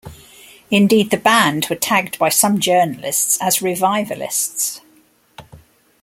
Indeed, the band were tagged by some journalists as "revivalists".